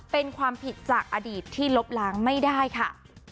เป็นความผิดจากอดีตที่ลบล้างไม่ได้ค่ะ